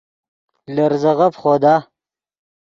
لے ریزے غف خودا